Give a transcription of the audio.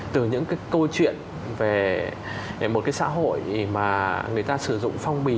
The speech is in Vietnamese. từ những câu chuyện về một xã hội mà người ta sử dụng phóng viên